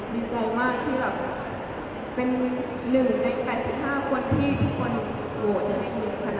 ดีใจมากที่แบบเป็น๑ใน๘๕คนที่ทุกคนโหวตให้หมดค่ะ